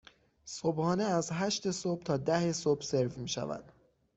صبحانه از هشت صبح تا ده صبح سرو می شود.